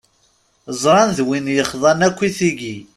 Ẓran d win yexḍan akk i tigi.